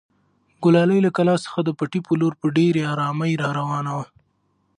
ګلالۍ له کلا څخه د پټي په لور په ډېرې ارامۍ راروانه وه.